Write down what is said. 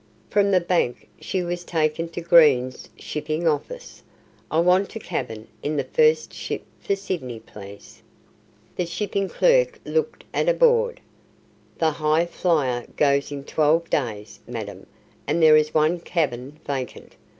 From the bank she was taken to Green's Shipping Office. "I want a cabin in the first ship for Sydney, please." The shipping clerk looked at a board. "The Highflyer goes in twelve days, madam, and there is one cabin vacant."